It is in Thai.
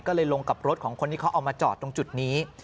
ก็เลยลงกับรถของคนที่เขาเอามาจอดตรงจุดนี้